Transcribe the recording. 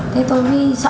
thế ông của tao giết mày